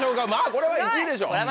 これはまぁ１位でしょう！